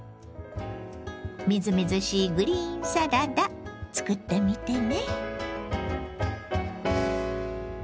みずみずしいグリーンサラダ作ってみてね。